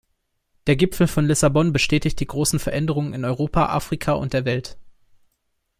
Der Gipfel von Lissabon bestätigte die großen Veränderungen in Europa, Afrika und der Welt.